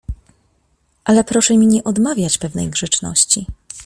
"Ale proszę mi nie odmawiać pewnej grzeczności."